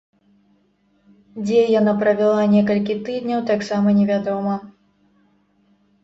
Дзе яна правяла некалькі тыдняў, таксама невядома.